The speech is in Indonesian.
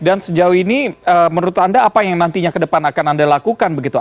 dan sejauh ini menurut anda apa yang nantinya ke depan akan anda lakukan begitu